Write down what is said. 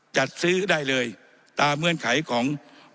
จัดซื้อได้เลยตามเงื่อนไขของ